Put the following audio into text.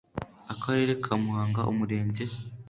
akarere ka muhanga umurenge